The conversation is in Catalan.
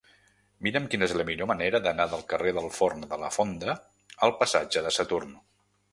Mira'm quina és la millor manera d'anar del carrer del Forn de la Fonda al passatge de Saturn.